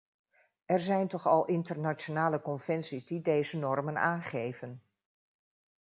Er zijn toch al internationale conventies die deze normen aangeven.